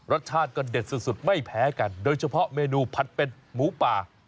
รสชาติก็เด็ดสุดไม่แพ้กันโดยเฉพาะเมนูผัดเป็ดหมูป่า